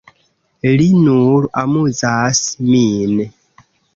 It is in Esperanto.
Li nur amuzas min.